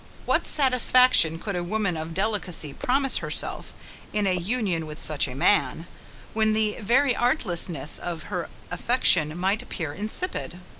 What satisfaction could a woman of delicacy promise herself in a union with such a man, when the very artlessness of her affection might appear insipid?